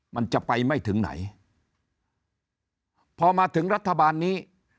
มันจะไปไม่ถึงไหนพอมาถึงรัฐบาลนี้